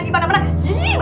bisa berubah juga